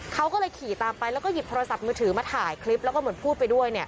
เขาก็เลยขี่ตามไปแล้วก็หยิบโทรศัพท์มือถือมาถ่ายคลิปแล้วก็เหมือนพูดไปด้วย